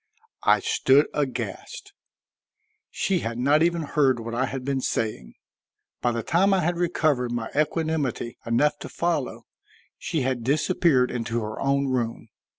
I stood aghast; she had not even heard what I had been saying. By the time I had recovered my equanimity enough to follow, she had disappeared into her own room.